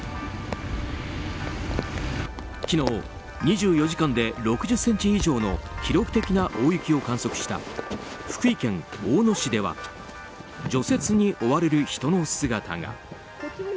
昨日、２４時間で６０ｃｍ以上の記録的な大雪を観測した福井県大野市では除雪に追われる人の姿が。